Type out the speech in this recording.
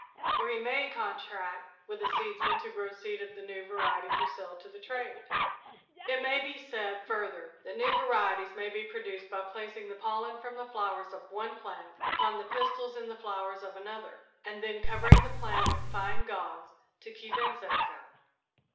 Or he may contract with a seedsman to grow seed of the new variety for sale to the trade. [Illustration: Harvesting Thyme Grown on a Commercial Scale] It may be said, further, that new varieties may be produced by placing the pollen from the flowers of one plant upon the pistils in the flowers of another and then covering the plant with fine gauze to keep insects out.